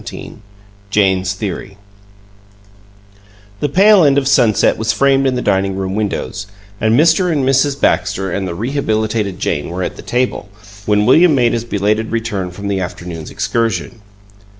XVII JANE'S THEORY The pale end of sunset was framed in the dining room windows, and Mr. and Mrs. Baxter and the rehabilitated Jane were at the table, when William made his belated return from the afternoon's excursion.